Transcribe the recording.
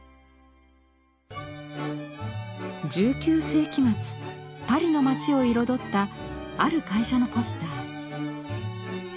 １９世紀末パリの街を彩ったある会社のポスター。